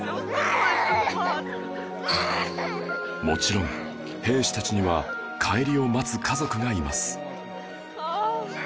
もちろん兵士たちには帰りを待つ家族がいます